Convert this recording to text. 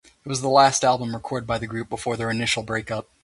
It was the last album recorded by the group before their initial breakup.